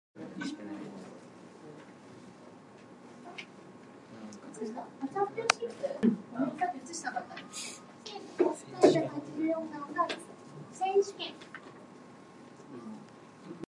She was awarded the undergraduate teaching award from the Department of Chemistry.